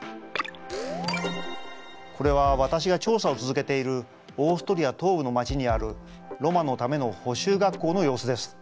これは私が調査を続けているオーストリア東部の町にあるロマのための補習学校の様子です。